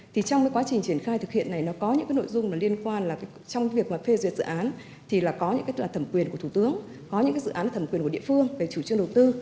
trong quá trình triển khai thực hiện này có những nội dung liên quan trong việc phê duyệt dự án có những dự án thẩm quyền của thủ tướng có những dự án thẩm quyền của địa phương về chủ trương đầu tư